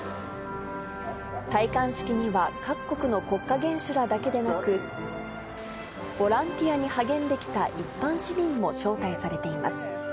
戴冠式には各国の国家元首らだけでなく、ボランティアに励んできた一般市民も招待されています。